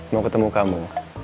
mau ketemu kamu